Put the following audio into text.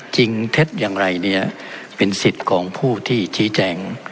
เท็จอย่างไรเนี่ยเป็นสิทธิ์ของผู้ที่ชี้แจง